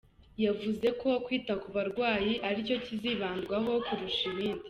Yavuze ko kwita ku barwayi aricyo kizibandwaho kurusha ibindi.